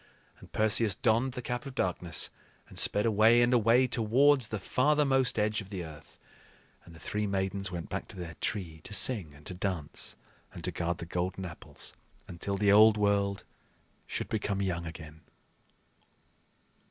And Perseus donned the Cap of Darkness, and sped away and away towards the farthermost edge of the earth; and the three Maidens went back to their tree to sing and to dance and to guard the golden apples until the old world should become young again.